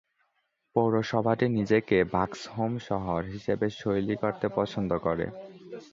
পৌরসভাটি নিজেকে "ভাক্সহোম শহর" হিসেবে শৈলী করতে পছন্দ করে।